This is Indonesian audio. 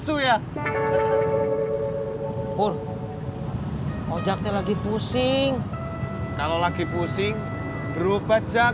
sampai jumpa pulang jemput bapak